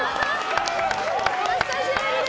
お久しぶりです！